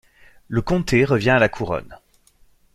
Le comté revient à la Couronne.